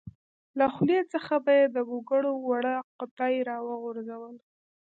له خولې څخه به یې د ګوګړو وړه قطۍ راوغورځوله.